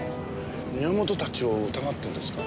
宮本たちを疑ってるんですか？